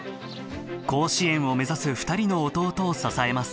甲子園を目指す二人の弟を支えます